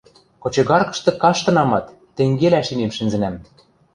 – Кочегарышты каштынамат, тенгелӓ шимем шӹнзӹнӓм.